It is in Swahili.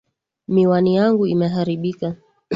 Miwani yangu imeharibika